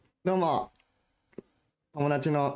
「どうも」